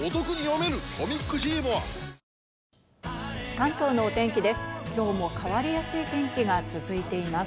関東のお天気です。